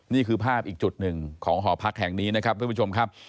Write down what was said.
นี่คือภาพอีกจุดหนึ่งของหอพักแห่งนี้นะครับทุกผู้ชมครับ